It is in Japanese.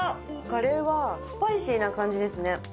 カレーはスパイシーな感じですね。